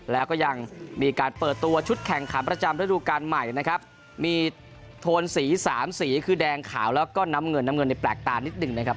แล้วก็ยังมีการเปิดตัวชุดแข่งขันประจำฤดูการใหม่นะครับมีโทนสีสามสีคือแดงขาวแล้วก็น้ำเงินน้ำเงินในแปลกตานิดหนึ่งนะครับ